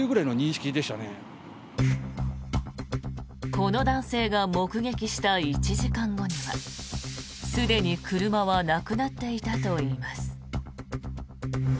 この男性が目撃した１時間後にはすでに車はなくなっていたといいます。